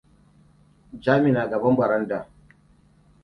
Jami na gaban baranda.